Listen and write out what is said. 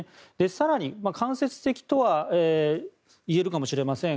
更に間接的といえるかもしれません。